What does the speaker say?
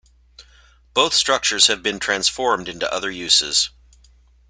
Both structures have been transformed into other uses.